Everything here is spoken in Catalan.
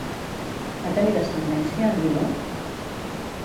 Va tenir descendència Aguiló?